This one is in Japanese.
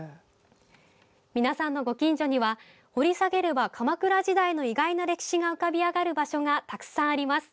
皆さんのご近所には掘り下げれば鎌倉時代の意外な歴史が浮かび上がる場所がたくさんあります。